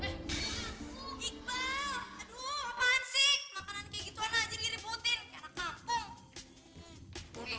eh iqbal aduh apaan sih makanan kayak gituan aja diributin kayak anak kampung